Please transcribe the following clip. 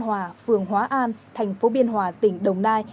hòa phường hóa an thành phố biên hòa tỉnh đồng nai